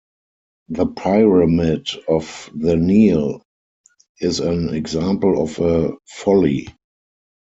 The Pyramid of The Neale is an example of a folly.